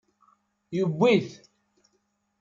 Yewwi-t.